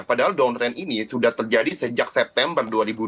padahal downren ini sudah terjadi sejak september dua ribu dua puluh